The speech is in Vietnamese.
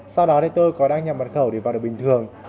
sau đó tôi có đăng nhập bản khẩu để vào được bình thường